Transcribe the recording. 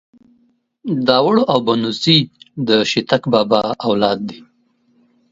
داوړ او بنوڅي ده شيتک بابا اولاد دې.